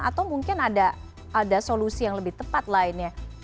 atau mungkin ada solusi yang lebih tepat lainnya